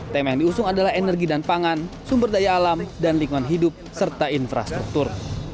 tema yang diusung adalah energi dan pangan sumber daya alam dan lingkungan hidup serta infrastruktur